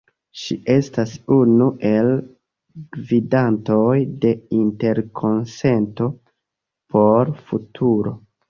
Ŝi estas unu el gvidantoj de Interkonsento por Futuro.